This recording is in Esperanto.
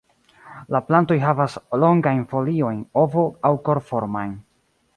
La plantoj havas longajn foliojn ovo- aŭ kor-formajn.